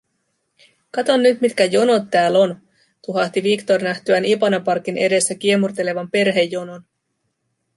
“Kato nyt, mitkä jonot tääl on”, tuhahti Victor nähtyään Ipanaparkin edessä kiemurtelevan perhejonon.